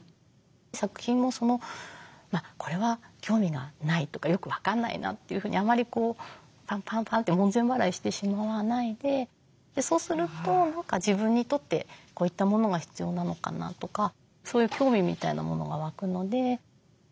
作品もこれは興味がないとかよく分かんないなというふうにあまりこうパンパンパンって門前払いしてしまわないでそうすると自分にとってこういったものが必要なのかなとかそういう興味みたいなものが湧くので。